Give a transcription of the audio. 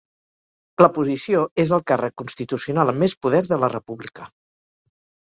La posició és el càrrec constitucional amb més poder de la República.